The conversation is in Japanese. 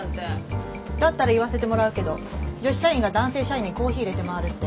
だったら言わせてもらうけど女子社員が男性社員にコーヒーいれて回るって。